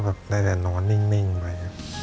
ก็แบบได้แต่หนอนนิ่งไป